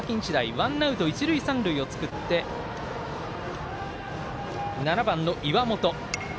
ワンアウト、一塁二塁を作って７番、岩本。